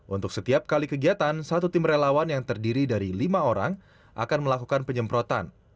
untuk setiap kali kegiatan satu tim relawan yang terdiri dari lima orang akan melakukan penyemprotan